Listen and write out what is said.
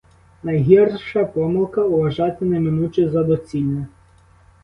Найгірша помилка — уважати неминуче за доцільне.